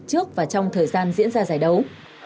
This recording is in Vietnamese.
trước và trong thời gian diễn ra giải đấu